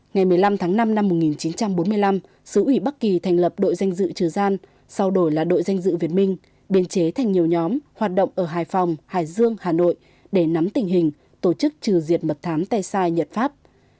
ngày một mươi năm tháng năm năm một nghìn chín trăm bốn mươi năm sứ ủy bắc kỳ thành lập đội danh dự trờ gian sau đổi là đội danh dự việt minh biên chế thành nhiều nhóm hoạt động ở hải phòng hải dương hà nội để nắm tình hình tổ chức trừ diệt mật thám tay sai nhật pháp